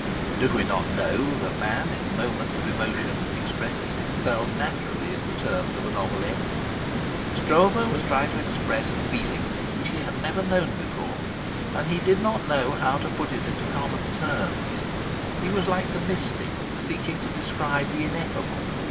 (Do we not know that man in moments of emotion expresses himself naturally in the terms of a novelette?) Stroeve was trying to express a feeling which he had never known before, and he did not know how to put it into common terms. He was like the mystic seeking to describe the ineffable.